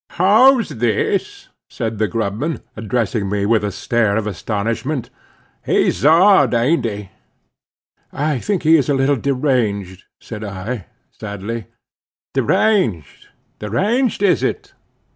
"How's this?" said the grub man, addressing me with a stare of astonishment. "He's odd, aint he?" "I think he is a little deranged," said I, sadly. "Deranged? deranged is it?